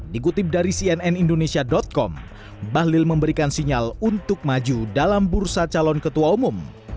dikutip dari cnn indonesia com bahlil memberikan sinyal untuk maju dalam bursa calon ketua umum